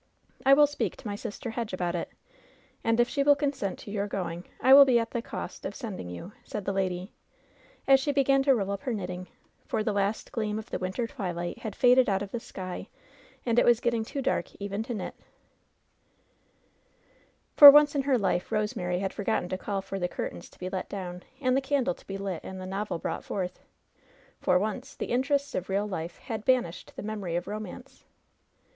I will speak to my sister Hedge about it, and if she will consent to your going I will be at the cost of sending you," said the lady, as she began to roll up her knitting, for the last gleam of the winter twilight had faded out of the ekj and it was getting too dark even to knit LOVE'S BITTEREST CUP 19 For once in her life Eosemary had forgotten to call for the curtains to be let down and the candle to be lit and the novel brought forth. For once the interests of real life had banished the memory of romance.